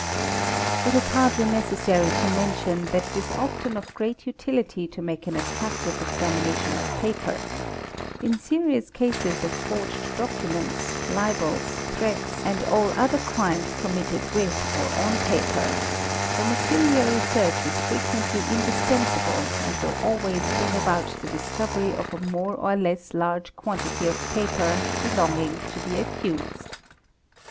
It is hardly necessary to mention that it is often of great utility to make an attentive examination of paper: in serious cases of forged doc uments, libels, threats, and all other crimes committed with or on pe per, domiciliary search is frequently indispensable and will always 208 THE MICROSCOPIST bring about the discovery of a more or less large quantity of paper belonging to the accused.